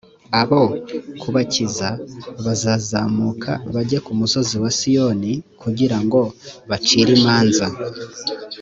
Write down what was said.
abo kubakiza b bazazamuka bajye ku musozi wa siyoni kugira ngo bacire imanza